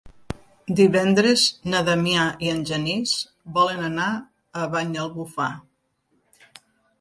Divendres na Damià i en Genís volen anar a Banyalbufar.